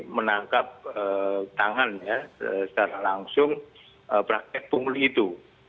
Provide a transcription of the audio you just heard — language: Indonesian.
menangkap tangannya secara langsung praktek pungli itu